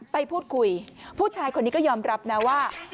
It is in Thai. ไปพูดคุยผู้ชายคนนี้ก็ยอมรับนะว่า